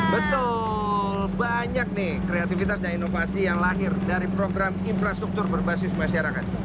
betul banyak nih kreativitas dan inovasi yang lahir dari program infrastruktur berbasis masyarakat